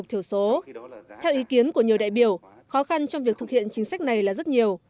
theo ý kiến của nhiều đại biểu khó khăn trong việc thực hiện chính sách này là rất nhiều